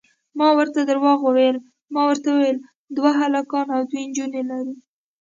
ما ورته درواغ وویل، ما ورته وویل دوه هلکان او دوې نجونې لرو.